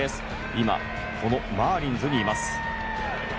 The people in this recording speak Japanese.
今、マーリンズにいます。